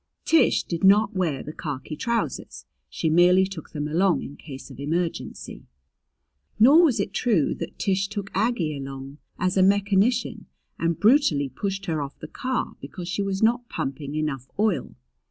Tish did not wear the khaki trousers; she merely took them along in case of emergency. Nor was it true that Tish took Aggie along as a mechanician and brutally pushed her off the car because she was not pumping enough oil.